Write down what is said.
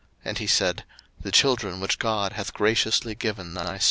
And he said, The children which God hath graciously given thy servant.